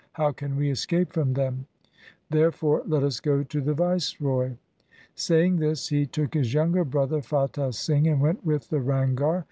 How can we escape from them ? There fore let us go to the viceroy.' Saying this he took his younger brother Fatah Singh and went with the Ranghar.